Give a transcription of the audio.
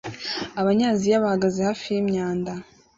Abanyaziya bahagaze hafi yimyanda